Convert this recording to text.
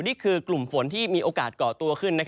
นี่คือกลุ่มฝนที่มีโอกาสก่อตัวขึ้น